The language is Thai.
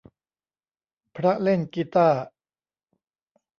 พระเล่นกีตาร์